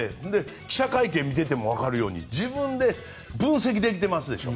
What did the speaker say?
記者会見を見ていてもわかるように自分で分析できてますでしょ。